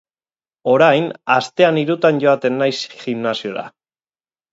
Orain, astean hirutan joaten naiz gimnasiora.